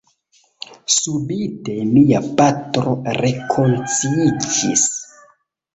Subite mia patro rekonsciiĝis.